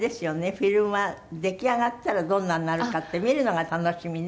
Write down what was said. フィルムは出来上がったらどんなになるかって見るのが楽しみね。